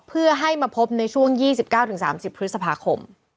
เพื่อให้มาพบในช่วง๒๙๓๐พฤษภาคม